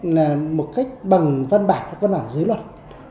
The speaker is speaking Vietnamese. là một cách bằng văn bản hoặc văn bản dưới luật